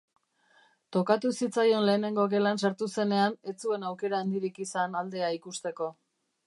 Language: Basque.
Tokatu zitzaion lehenengo gelan sartu zenean ez zuen aukera handirik izan aldea ikusteko.